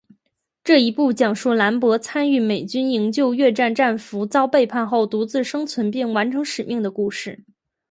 这一部讲述兰博参与美军营救越战战俘遭背叛后独自生存并完成使命的故事。